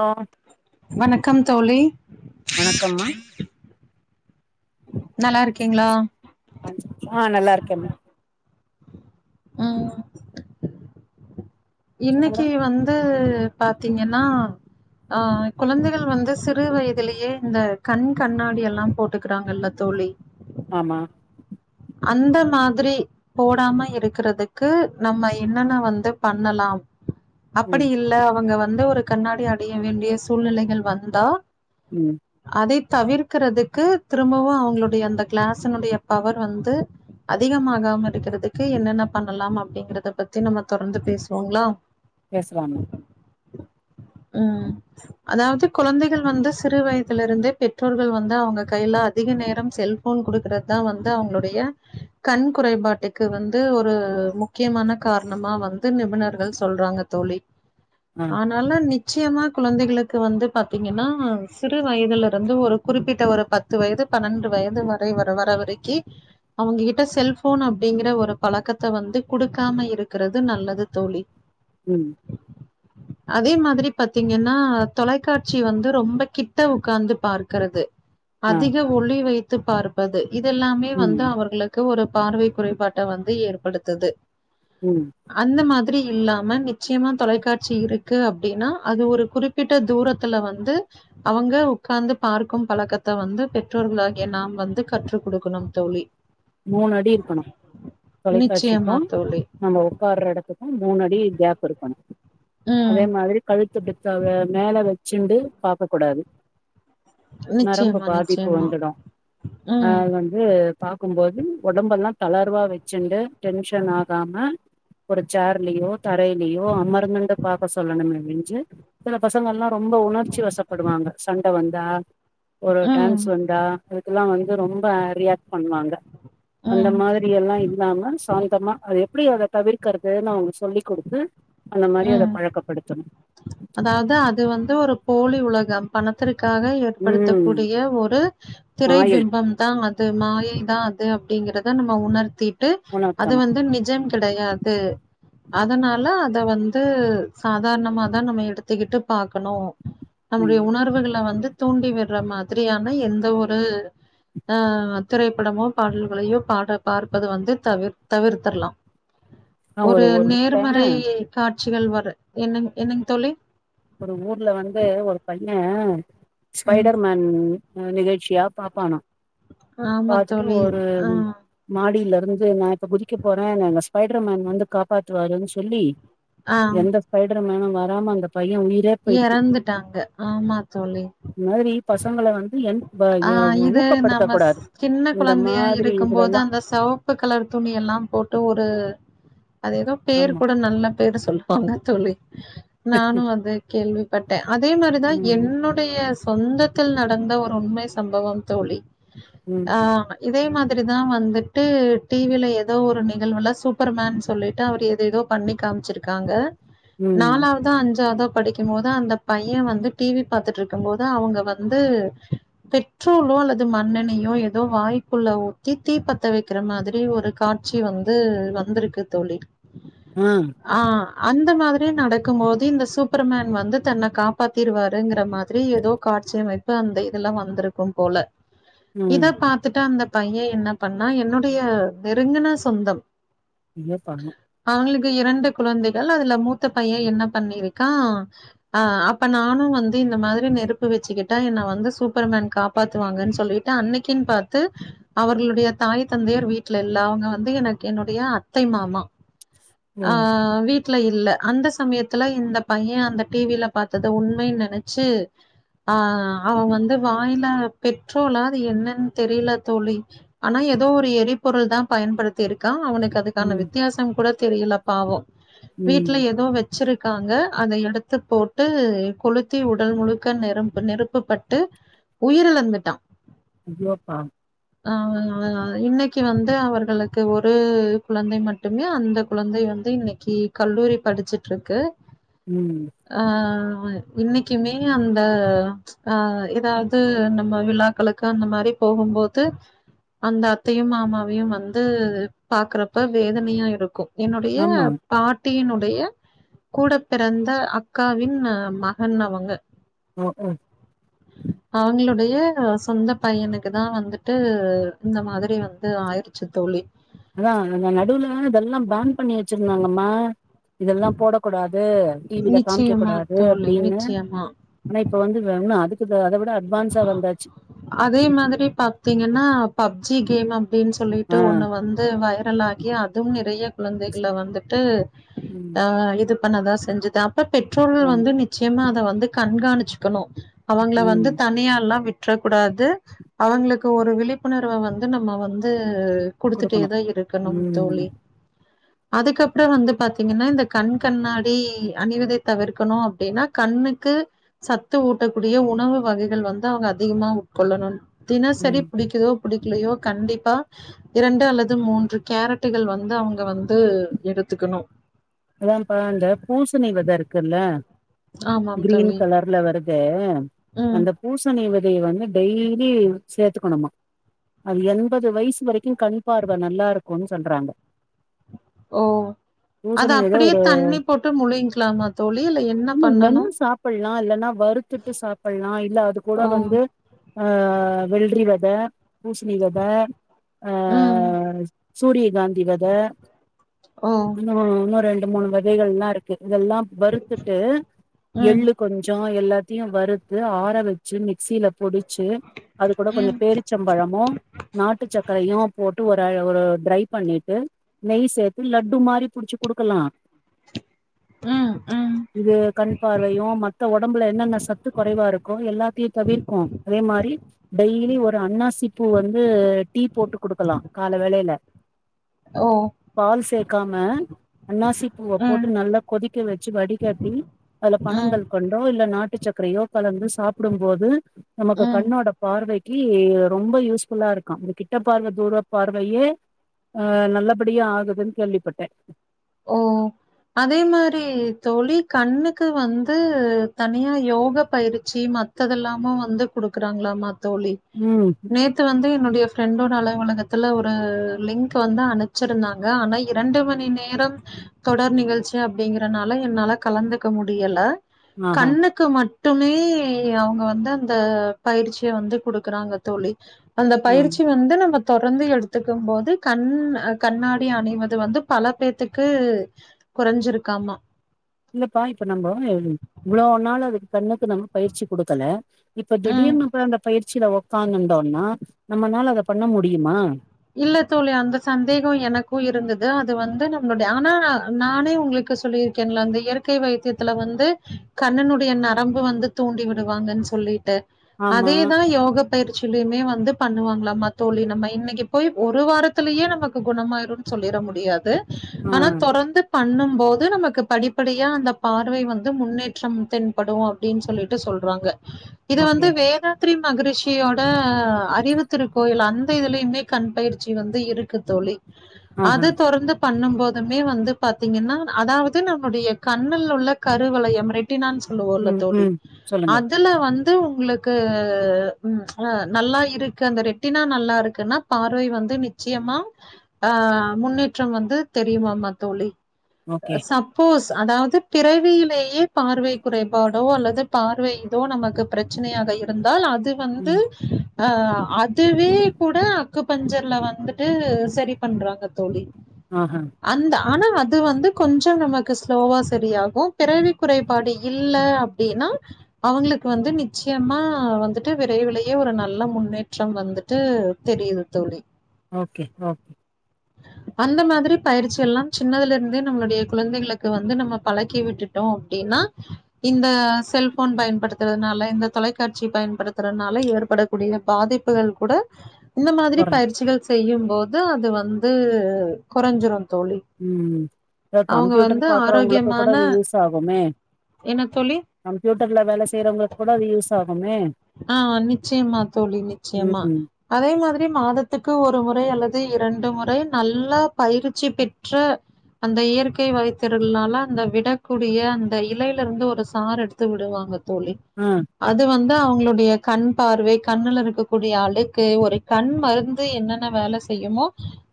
Hello வணக்கம் தோளி வணக்கம்மா ஆ போனா நல்லாருக்கு உ சொல்லுங்க இன்னைக்கு வந்து பாத்தீங்கன்னா ஆ குழந்தைகள் வந்து சிறு வயதிலேயே இந்த கண் கண்ணாடி எல்லா போட்டுக்கிறாங்கல்ல தோழி ஆமா அந்த மாதிரி போடாம இருக்கிறதுக்கு நம்ம என்னன்ன வந்து பண்ணலா ம் அப்படி இல்ல அவங்க வந் வந்து ஒரு கண்ணாடி அடைய வேண்டிய சூழ்நிலைகள் வந்தா உ அத தவிர்க்கரதுக்கு திரும்பவு அவங்களுடைய அந்த கிளாஸினுடைய பவர் வந்து அதிகமாகாம இருக்கிறதுக்கு என்னென்ன பண்ணலாம் அப்படிங்கறத பத்தி நம்ம தொடர்ந்து பேசுவோங்களா பேசலாம் உ அதாவது குழந்தைகள் வந்து சிறு வயதுல இருந்தே பெற்றோர்கள் வந்து அவங்க கையில அதிக நேரம் செல்ஃபோன் குடுக்கறது தா வந்து அவங்களுடைய கண் குறைபாட்டுக்கு வந்து ஒரு முக்கியமான காரணமா வந்து நிபுணர்கள் சொல்றாங்க தோழி ஆ ஆனாலு நி நிச்சயமா குழந்தைகளுக்கு வந்து பாத்தீங்கன்னா சிறு வயதுலருந்து ஒரு குறிப்பிட்ட ஒரு பத்து வயது பன்னெண்டு வயது வரை வர வர வரைக்கி அவங்ககிட்ட செல்ஃபோன் அப்டிங்கற ஒரு பழக்கத்த வந்து குடுக்காம இருக்கிறது நல்லது தோழி ம் அதே மாதிரி பாத்தீங்கன்னா தொலைக்காட்சி வந்து ரொம்ப கிட்ட உக்காந்து பாக்கிறது ஆ அதிக ஒளி வை து பார்ப்பது இதுஎல்லாமே ம் வந்து அவர்களுக்கு ஒரு பார்வை குறைபாட்ட வந்து ஏற்படுத்துது ம் அந்த மாத் மாத்ரி இல்லாம நிச்சயமா தொலைக்காட்சி இருக்கு அப்டின்னா அது ஒரு குறிப்பிட்ட தூரத்துல வந்து அவங்க உக்கார்ந்து பார்க்கும் பழக்கத்த வந்து பெற்றோர்களாகிய நாம் வந்து கற்று குடுக்கணு தோழி மூணு அடி இருக்கணு நிச்சயமா தொலைக்காட்சிக்கும் தோழி. நம்ம உக்கார்ற எடத்து கு மூணு அடி கேப் இருக்கணு அதே ம். மாதிரி கழுத்து வச்சாக மேல வச்ச சிண்டு பாக்க கூடாது நரம்பு நிச்சயமா, பாதிப்பு நிச்சயமா. வந்துடு அ ம், வந்து இருக்கும்போது உடம்பெல்லா தளர்வா வச்சுண்டு டென்ஷன் ஆகாம ஒரு சேர்லயோ தரையிலயோ அமர்ந்துண்டு பாக் பசல்ல என்னமே விஞ்சு சில பசங்கல்லா ரொம்ப உணர்ச்சி வசப்படுவாங்க சண்ட வந்தா ஒரு ம், டான்ஸ் வந்தா அதுக்கெல்லா வந் இது ரொம்ப ரியாக்ட் பண்ணுவாங்க. அந்த ம், மாதிரி எல்லா இல்லாம சாந்தமா அது எப்பிடி அத தவிர்க்கறதுன்னு அவங்களுக்கு சொல்லி் குடுத்து அந்த மாரி அத ம் பழக்கப்படுத்தணு அதாவது அது வந்து ஒரு போலி உலகம் பணத்திற் காக ஏற்படுத்தக் ம் கூடிய ஒரு மாயை திரைபிம்பம்தா அ து மாயைதா அது அப்டிங்கறத நம்ம உணர்த்தி ட்டு அது உணர்த்தணு வந்து நிஜம் கிடையாது அதனால அத வந் து சாதாரணமாதா நம்ம எடுத்துக்கிட்டு பாக்கணு நம்முடைய ம் உணர்வுகள வந்து தூண்டி விட்ற மா திரியான எந்த ஒரு ஆ திரைப்படமோ பாடல்களையோ பாட பார்ப்பது வந்து தவிர் தவிர்த்திரலா. ஒரு நேர்மறை காட்சிகள் வர என்னங் என்னங்க தோழி ஒரு ஊர்ல வந்து ஒரு பைய ம். ஸ்பைடர்மேன் ஆ நிகழ்ச்சியா பாப்பானா ஆமா பாத்துட்டு தோழி. ஒரு ஆ. மாடியில இருந்து நான் இப்ப குதிக்க போறே என்ன ஸ்பைடர்மேன் வந்து காப்பாத்துவாருன்னு சொல்லி எந்த ஸ்பைட ர்மேனு வராம அந்த பைய உயிரே போயிடுச்சு எறந்துட்டாங்க ஆமா தோழி இந்த மாதிரி பசங்கள வந்து எந் ப ஆ எ ஊ இது ஊக்கப்படுத்த நம்ம கூடாது சின்ன இந்த குழந்தைஉஆ மாதிரி இருக்கும் போது இதுலல்லா அந்த செவப்பு கலர் துணி எல்லாம் போட்டு ஒரு அது எதோ பேர் ஆமா கூட நல்ல பேர் சொல்லு வாங்க தோழி நானு அது விருப்பட்ட அதே மாரிதா ம் என்னுடைய சொந்தத்தில் நடந்த ஒரு உண்மை சம்பவம் தோழி ஆ ம் இதே மாதி ரிதா வந்துட்டு டி வி ல எதோ ஒரு நிகழ்வுல சூப்பர்மேன் சொல்லிட்டு அவர் ஏதோ ஏதோ பண்ணி காமிச்சிருக்காங்க. ம் நாலாவதா அஞ்சாவதா படிக்கும் போது அந்த பைய வந்து டிவி பாாரத்துட்டு இருக்கு போது அவங்க வந்து பெட்ரோலோ அல்லது மண்ணணையோ ஏதோ வாய்ப்புள்ள ஊத்தி தீப்பத்த வைக்கிற மாதிரி ஒரு காட்சி வந்து வந்திருக்கு தோழி ஆ ஆ அந்த மாதிரியே நடக்கு போது இந்த சுப் ப்பர்மேன் வந்து தன்ன காப்பாத்திருவாருங்கிற மாதிரி ஏதோ காட்சிமைப்பு அந்த இதெல்லா வந்திருக்கு போல ம் இத பாத்துட்டா அந்த பைய என்ன பண்ணா என்னுடைய நெருங்கன சொந்தம் நீயே பண்ணு க்கு இரண்டு குழந்தைகள் அதுல மூத்த பையன் என்ன பண்ணிருக் க்க ஆ அப்ப நானு வந்து இந்த மாதிரி நெருப்பு வச்சுக்கிட்டா என்னை வந்து சூப்பர்மன் காப்பாத்துவாங்கன்னு சொல்லிட்டு அன்னைக்குன்னு பார்த்து அவர்களுடைய தாய் தந்தையர் வீட்டுல இல்ல அவங்க வந்து எனக்கு என்னுடைய அத்தை மாமா ஓ ஆ விட் வீட்ல இல்ல அந்த சமயத்துல இந்த பைய அந்த டிவில பார்த்தத உண்மைன்னு நினைச்சு ஆ அவ வந்து வாயில பெட்ரோலா அது என்னன்னு தெரியல தோழி ஆனா ஏதோ ஒரு எரிபொருள் தா பயன்படுத்தி இருக்கா அவனுக் கதுக்கான ம் வித்தியாசம் கூட தெரியல பாவோ வீட்ல ம் ஏதோ வச் வச்சிருக்காங்க அத எடுத்து போட்டு கொளுத்தி உடல் முழுக்க நெரும்பு நெருப்பப்பட்டு உயிரிழந்துட்டா [unintelligible] பா ஆ இன்னைக்கு வந்து அவர்களுக்கு ஒரு குழந்தை மட்டுமே அந்த குழந்தை வந்து இன்னைக்கு கல்லூரி படிச்சுட்டு இருக்கு ம் ஆ அ இன்னைக்குமே அந்த ஆ ஏதாவது நம்ம விழாக்களுக்கு அந்த மாரி போகும்போது அந்த அத்தையும் மாமாவையும் வந்து பாக்குறப்ப வேதனையா இருக்கு என்னுடைய ஆமா பாட் [unintelligible] னுடைய கூட பிறந்த அக்காவின் மகன் அவங்க ஓ ஓ அவங்களுடைய [unintelligible] சொந்த பையனுக்கு தா வந்துட்டு இந்த மாதிரி வந்து ஆயிருச்சு தோழி அதா இந்த நடுவுல அதெல்லா பேன் பண்ணி வச்சிருந்தாங்கம்மா இதெல்லா போடக்கூடா இது டிவில காமிக்க நிச்சயமா கூடாது தோழி, அப்படின்னு நிச்சயமா. ஆனா இப்ப வந்து வ [unintelligible] அதுக்கு இது அத விட அட்வான்ஸா வந்தாச்சு அதே மாதிரி பாத்தீங்கன்னா பப்ஜிக் கேமம் அப்டின்னு சொல்லிட்டு ஆ ஒன்னு வந்து வைரல் ஆகி அதுவு எப் றைய குழந்தைகள வந்துட்டு ம் ஆ இதுப் பன்னதா செஞ்சுதா ப்ப பெட்ரோர்கள் ஆமா வந்து நிச்சயமா அத வந்து கண்காணிச்சிக்கணு அவங்கள வந்து ம் தனியாலா வி்ட்ரகூடாது அவங்களுக்கு ஒரு விழிப்புணர்வ வந்து நம்ம வந்து ஆ குடுக்கணு குடுத்துட்டேதா இருக்கணு ம் தோழி அதுக்கப்புறோ வந்து பாத்தீங்கன்னா இந்த கண் கண்ணாடி அணிவதை தவிர்க்கணு அப்டின்னா கண்ணுக்கு சத்து ஊட்டக்கூடிய உணவு வகைகள் நெல் வந்தா அவுங்க அதிகமா உட்கொள்ளணு தினசரி ம் புடிக்குதோ புடிக்கலியோ கண்டிப்பா இரண்டு அல்லது மூன்று கேரட்டுகள் வந்து அவுங்க வந்து எடுத்துக்கணு அத்தான்பா அந்த பூசணிவெத இருக்குல்ல ஆமாம் க்ரீன் தோழி. கலர்ல வரு தே ம். அந்தப்பூசணி வெ இதைய வந்து டெய்லி சேத்துக்குணுமா அது எண்பது வயசு வரைக் கின் கண்பார்வ நல்லா இருக் கொன் சொல்றாங்க ஓ அக் அத பூசணி வித அப்படியே ஒரு தண்ணி போட்டு முழுங்கிக்லாமா தோழி இல்ல என்ன பண்ணணு நா இல்லனா வருத்துட்டு சாப்புல்லா இல்ல அது கூட ஓ! வந்து ஆ வெள்றிவெத பூசணிவெத ஆ ம். சூரியகாந்தி வெத ஓ! என்ன வேணு இன்னும் ரெண்டு மூணு வெதைகள்லா இருக்கு இதெல்லாம் வறுத்துட்டு ம். எள்ளு கொஞ்சம் ஹ எல்லாத்தியும் வறுத்து ஆற வச்சு மிக்சியில பொடி செ அதுக் கூட ம். கொஞ்சம் பேரிச்சம்பழமும் நாட்டுச்சக்க கைய்யும் போட்டு ஒரு ஒரு ட்ரை பண்ணிட்டு நெய் சேர்த்து லட்டு மாரி புடிச்சுப் குடுக்கலாம் ம். ம். இது கண் பார்வையும் மத்த உடம்புல என்னென்ன சத்து குறைவா இருக்கும் எல்லாத்தையும் தவிர்க்கும் அதே மாரி டெய்லி ஒரு அண்ணாசி பூ வந்து டீ போட்டுக்குடுக்கலாம் கால்ல வேலையில ஓ! பால் சேக்காம அண்ணாசி பூவ ம். போட்டு நல்லா கொதிக்க வெச்சு வடிகட்டி அதுல ம். பனங்கல்கண்டோ இல்ல நாட்டுசக்கரையோ கலந்து சாப்பிடும் போது நமக்கு ம். கண்ணோட பார்வை கீ ரொம்ப யூஸ்ஃபுல்லா இருக்கா இந்த கிட்ட பார்வை தூர பார்வையே அஹ் நல்லபடியா ஆகுதுன்னு கேள்விபட்டேன் ஓ அதே மாரி தோழிக் கண்ணுக்கு வந்து தனியா யோகா பயிற்சி மத்ததலாம் வந்து கொடுக்குறாங்களாம் தோழி ம் நேத்து வந்து என்னுடைய ஃப்ரெண்டோட அலுவலகத்தை அதுல ஒரு லிங்க் வந்து அனுச்சிருந்தாங்க ஆனா இரண்டு மணி நேரம் தொடர் நிகழ்ச்சி அப்படிங்குறதுனால என்னால கலந்துக்க முடியல ஆஹா கண்ணுக்கு மட்டு அதுக்கு மட்டுமே அவங்க வந்து அந்த பயிற்சிய வந்து கொடுக்குறாங்க தோழி அந்த ஆ பயிற்சி வந்து நம்மகு தொடர்ந்து எடுத்துக்கும் போது கண் கண்ணாடி அணிவது வந்து பலத்துக்கு க்கு குறைஞ்சிருக்காமா இல்லப்பா இப்ப நம்ம இவ்வளவுன்னாலும் அதுக்கு கண்ணுக்கு நம்ம பயிற்சி குடுக்கல இப்ப ம் திடீர்னு அந்த பயிற்சி கீழ உக்காங்கடோம்னா நம்மளால அதை பண்ண முடியுமா இல்ல தோழி அந்த சந்தேகம் எனக்கும் இருந்தது அது வந்து நம்மளுடைய ஆனா நானே உங்களுக்கு சொல்லியிருக்கேன்ல அந்த இயற்கை வைத்தியத்துல வந்து கண்ணனுடைய நரம்பு வந்து தூண்டி விடுவாங்கன்னு சொல்லிட்டு ஆமா அதேதான் யோக பயிற்சியிலயுமே வந்து வந்து பண்ணுவாங்களாம தோழி நம்ம இன்னைக்கு போய் ஒரு வாரத்திலயே நமக்கு குணமாயிரும்னு சொல்லிட முடியாது ஆ ஆனா தொடர்ந்து பண்ணும் போது நமக்கு படிப்படியா அந்த பார்வை வந்து முன்னேற்றம் தென்படும் அப்படின்னு சொல்லிட்டு சொல்றாங்க இது வந்து ஓகே வேத அகிம் மகரிஷியோட அறிவுத்திரு கோயில் அந்த இதுலயுமே கண் பயிற்சி வந்து இருக்கு தோழி ஆஹா அது தொடர்ந்து பண்ணும் போதுமே வந்து பாத்தீங்கன்னா அதாவது நம்முடைய கண்ணில உள்ள கருவலையம் ரெட் ரெட்டினானு சொல்லுவோல ம் தோழி ம் சொல்லுங்க அதுல வந்து து உங்களுக்கு உ நல்லா இருக்கு அந்த ரெட்டினா நல்லா இருக்குன்னா பார்வை வந்து நிச்சயமா ஆ முன்னேற்றம் வந்து தெரியுமாமா தோழி ஓகே அ சப்போஸ் அதாவது பிறவியிலேயே பார்வை குறைபாடோ அல்லது பார்வை இதோ நமக்கு பிரச்சனையாக இருந்தால் அது இது வந்து ம் அ அதுவே கூட அக்குப்பஞ்சர்ல வந்துட்டு சரி பண்றாங்க தோழி ஆஹ அந்த ஆனா அது வந்து கொஞ்ச நமக்கு ஸ்லோவா சரியாகு பிறவி குறைபாடு யில் இல்ல அப்டின்னா அவங்களுக்கு வந்து நிச்சயமா வந்துட்டு விரைவிலேயே ஒரு நல்ல முன்னேற்றம் வந்துட்டு தெரியு தோழி ஓகே ஓகே அந்த மாதிரி பயிற்சி எல்லா சின்னதுல இருந்தே நம்மளுடைய குழந்தைகளுக்கு வந்து நம்ம பழக்கி விட்டுட்டோ அப்டின்னா இந்த செல்ஃபோன் பயன்படுத்துறதுனால இந்த தொலைக்காட்சி பயன்படுத்துறதுனால ஏற்படக்கூடிய பாதிப்புகள் கூட இந்த மாதிரி கொறஞ்சு பயிற்சிகள் செய்யும் போது அது வந் து கொறஞ்சிரு உ கம்ப்யூட்டர் வந்து பாக்குறவங்களுக்கு கூட அது ஆரோக்கியமான யூஸ் ஆகுமே என்ன தோழி கம்ப்யூட்டர்ல வேல செய்யறவங்களுக்கு கூட அது யூஸ் ஆகுமே ஆ நிச்சயமா தோழி நிச்சயமா ம் அதே மாதிரி மாதத்துக்கு ஒரு முறை அல்லது இரண்டு முறை நல்லா பயிற்சி பெற்ற அந்த இயற்கை வாயத்திருளனால அந்த விடக்கூடிய அந்த இலையில இருந்து ஒரு சார் எடுத்து விடுவாங்க தோழி ஆ அது வந் அவங்களுடைய கண் பார்வை கண்ணுல இருக்கக்கூடிய அழுக்கு ஒரு கண் மருந்து என்னென்ன வேல செய்யுமோ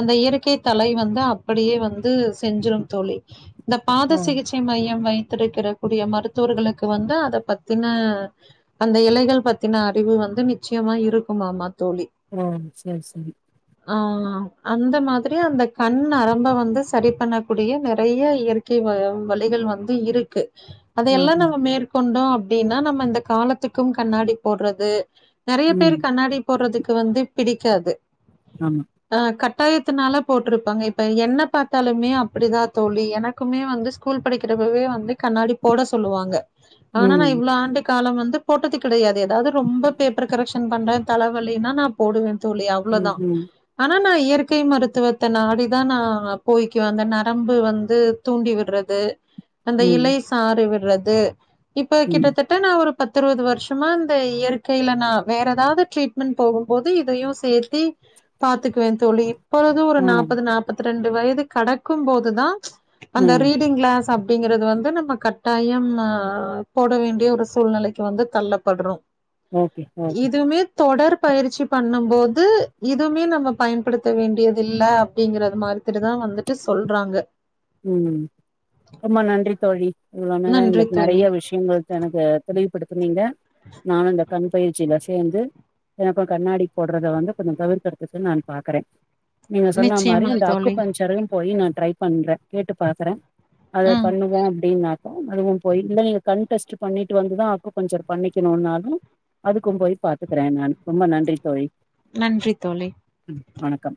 அந்த இயற்கை தலை வந்து அப்படியே வந்து செஞ்சிரும் தோழி இந்த பாத ஓ சிகிச்சை மையம் வை பத்திருக்கிற கூடிய மருத்துவர்களுக்கு வந்து அத பத்தின அந்த இலைகள் பத்தின அறிவு வந்து நிச்சயமா இருக்குமாம தோழி ஓ சரி சரி ஆ அந்த மாத் சரிய அந்த கண் நரம்பு வந்து சரி பண்ணக்கூடிய நிறைய இயற்கை வ வழிகள் வந்து இருக்கு ம் அதெல்லா ம் நம்ம மேற்கொண்டோ அப் அப்படின்னா நம்ம இந்த காலத் எத்துக்கும் கண்ணாடி போடுறது நெறைய பேரு ம் கண்ணாடி போடுறதுக்கு வந்து பிடிக்காது ஆமா ஆ கட் கத்தாயத்தினால போட்டிருப்பாங்க இப்ப என்ன பார்த்தாலுமே அப்படிதா தோழி எனக்குமே வந்து ஸ்கூல் படிக்கிறப்பவே வந்து கண்ணாடி போட சொல்லுவாங்க ஆனா நா ம் இவ்வள ஆண்டு காலம் வந் போட்டது கிடையாது ஏதாவது ரொம்ப பேப்பர் கரெக்ஷன் பண்ற தலைவலனா நா போடுவே தோழி ம் அவ்வளவுதா ம் ஆனா நா இயற்கை மருத்துவத்தை நாடிதா நா போய்கக்குவே அந்த நரம்பு வந்து தூண்டி விடுறது அந்த ம் இலை சாறு விறு விடறது இப்ப ம் கிட்டத்தட்ட நா ஒரு பத்து இருபது வருஷமா இந்த இயற்கையில நா வேற ஏதாவது ட்ரீட்மெண்டட் போகும் போது இதையும் சேர்த்தி பார்த்துக்குவே தோழி போது ஒரு ஆ நாற்பது நாற்பத்தி ரெண்டு வயது கிடக்கும் போது தா அந்த ம் ரீடிங் கிளாஸ் அப் அப்படிங்கறது வந்து நம்ம கட்டாயம் ஆ போட வேண்டிய ஒரு சூழ்நிலை வந்து தள்ளப்படுறோ ஓகே ஓகே இதுமே தொடர் பயிற்சி பண்ணும் போது இதுவுமே நம்ம பயன்படுத்த வேண்டியது இல்ல அப்பிடிங்கறது மாதிரிட்டுதா வந்துட்டு சொல்றாங்க ம் ரொம்ப நன்றி தோழி இவ்ளோ நேர நன்றி எங்களுக்கு தோழி. நெறைய விஷயங்கள் எனக்கு தெரிய படுத்தினீங்க நீங்க நானு அந்த கண் பயிற்சியில சேர்ந்து எனக்கு கண்ணாடி போடுறத வந்து கொஞ்சோ தவிர்க்கிறதுக்கு நா பாக்குறே நீங்க சொன்ன மாரி நிச்சயமா அந்த அக்கு தோழி. பஞ்சரு போய் நா ட்ரை பண்றே கேட்டு பாக்குறே அத ம். பண்ணுவே அப்பிடின் நா அதுவும் போய் இனிமே கன்டெஸ்ட் பண்ணிட்டு வந்துதா அக்கு பஞ்சர் பண்ணிக்கிணும்னாலு அதுக்கு போய் பாத்துக்கிறே நா ரொம்ப நன்றி தோழி நன்றி தோழி ம் வணக்கம்